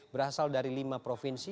berasal dari lima provinsi